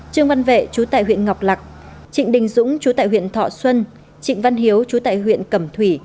trọng dũng chú tại huyện thọ xuân trịnh văn hiếu chú tại huyện cẩm thủy